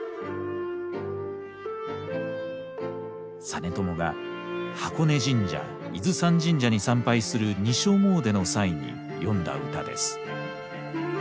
実朝が箱根神社伊豆山神社に参拝する二所詣の際に詠んだ歌です。